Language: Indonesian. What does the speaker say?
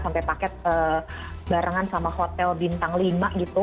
sampai paket barengan sama hotel bintang lima gitu